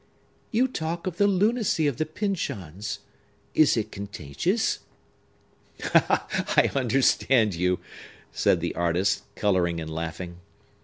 "You talk of the lunacy of the Pyncheons; is it contagious?" "I understand you!" said the artist, coloring and laughing.